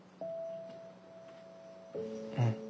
うん。